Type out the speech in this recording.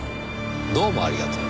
どうもありがとう。